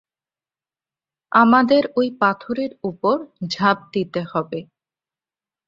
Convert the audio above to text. আমাদের ওই পাথরের উপর ঝাঁপ দিতে হবে!